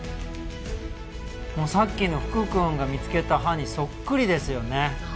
さっきの福くんが見つけた歯にそっくりですよね。